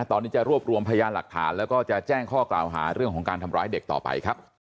ตอนนี้จะรวบรวมพยานหลักฐานแล้วก็จะแจ้งข้อกล่าวหาเรื่องของการทำร้ายเด็กต่อไปครับ